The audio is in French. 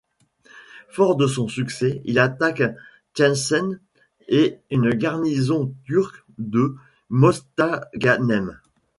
Fort de son succès, il attaque Tlemcen et une garnison turque de Mostaganem.